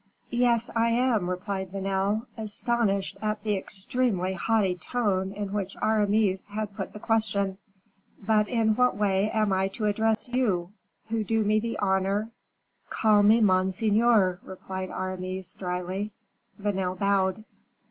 "Yes, I am," replied Vanel, astonished at the extremely haughty tone in which Aramis had put the question; "but in what way am I to address you, who do me the honor " "Call me monseigneur," replied Aramis, dryly. Vanel bowed.